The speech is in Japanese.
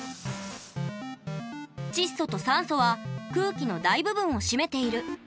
窒素と酸素は空気の大部分を占めている。